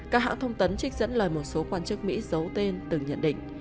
các hãng thông tấn trích dẫn lời một số quan chức mỹ giấu tên từng nhận định